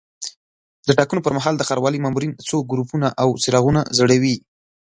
د ټاکنو پر مهال د ښاروالۍ مامورین څو ګروپونه او څراغونه ځړوي.